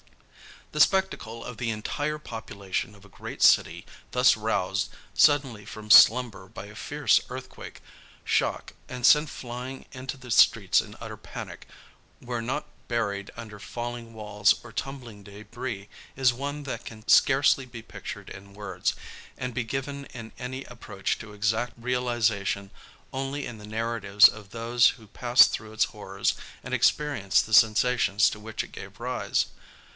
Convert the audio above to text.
The spectacle of the entire population of a great city thus roused suddenly from slumber by a fierce earthquake shock and sent flying into the streets in utter panic, where not buried under falling walls or tumbling debris, is one that can scarcely be pictured in words, and can be given in any approach to exact realization only in the narratives of those who passed through its horrors and experienced the sensations to which it gave rise.